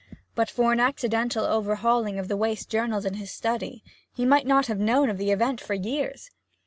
But for an accidental overhauling of the waste journals in his study he might not have known of the event for years.